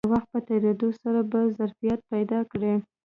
د وخت په تېرېدو سره به ظرفیت پیدا کړي